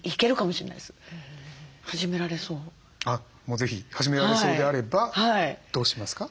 是非始められそうであればどうしますか？